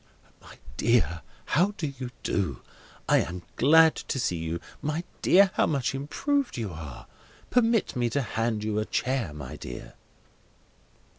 "My dear, how do you do? I am glad to see you. My dear, how much improved you are. Permit me to hand you a chair, my dear."